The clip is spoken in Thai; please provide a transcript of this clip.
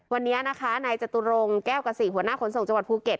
วันนี้นะคะนายจตุรงค์แก้วกษีหัวหน้าขนส่งจังหวัดภูเก็ต